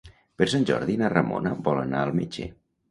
Per Sant Jordi na Ramona vol anar al metge.